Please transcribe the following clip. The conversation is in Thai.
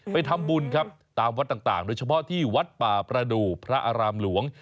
ไปทำบุญครับตามวัดต่างโดยเฉพาะที่วัดป่าประดูกพระอารามหลวง